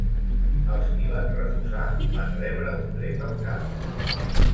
Els qui van refusar, van rebre un tret al cap.